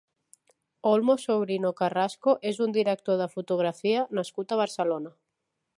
Olmo Sobrino Carrasco és un director de fotografia nascut a Barcelona.